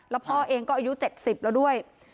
แล้วพ่อเองก็อายุ๗๐แล้วด้วย